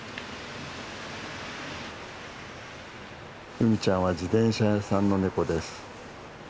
うみちゃんは自転車屋さんのネコです。